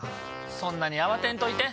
そんなに慌てんといて。